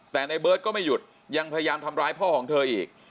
แต่ในเบิร์ตก็ไม่หยุดยังพยายามทำร้ายพ่อของเธออีก